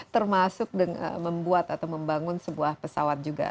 termasuk membuat atau membangun sebuah pesawat juga